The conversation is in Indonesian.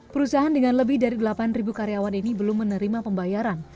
perusahaan dengan lebih dari delapan karyawan ini belum menerima pembayaran